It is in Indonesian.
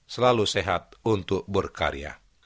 selalu sehat untuk berkarya